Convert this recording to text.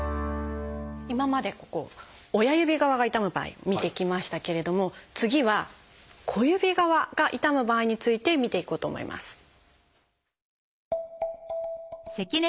今までここ親指側が痛む場合見てきましたけれども次は小指側が痛む場合について見ていこうと思います。